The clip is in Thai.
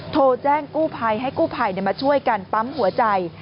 โทรแจ้งกู้ภัยให้กู้ภัยมาช่วยกันปั๊มหัวใจ